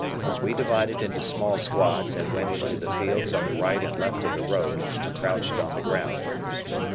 We divided into small squads and went into the fields on the right and left of the road, and crouched on the ground.